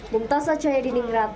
bumtasa cahaya di ningrat jakarta